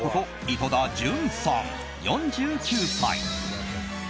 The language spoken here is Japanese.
井戸田潤さん、４９歳。